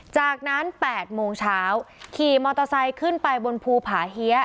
จากนั้น๘โมงเช้าขี่มอเตอร์ไซค์ขึ้นไปบนภูผาเฮีย